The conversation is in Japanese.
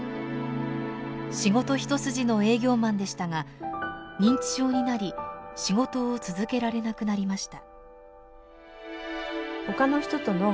仕事一筋の営業マンでしたが認知症になり仕事を続けられなくなりました。